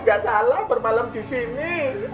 gak salah bermalam di sini